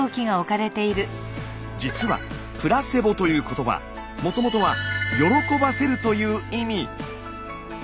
実は「プラセボ」という言葉もともとは「喜ばせる」という意味。